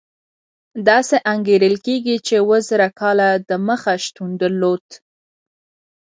داسې انګېرل کېږي چې اوه زره کاله دمخه شتون درلود.